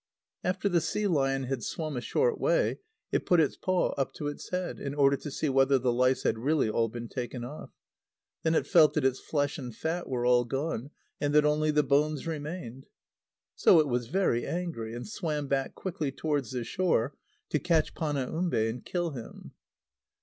After the sea lion had swum a short way, it put its paw up to its head, in order to see whether the lice had really all been taken off. Then it felt that its flesh and fat were all gone, and that only the bones remained. So it was very angry, and swam back quickly towards the shore, to catch Panaumbe and kill him.